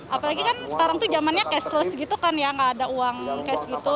apalagi kan sekarang tuh zamannya cashless gitu kan ya nggak ada uang cash gitu